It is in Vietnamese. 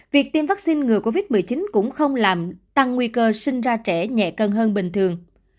việc tiêm vaccine ngừa covid một mươi chín cũng không làm tăng nguy cơ sinh ra trẻ nhẹ cân hơn bình thường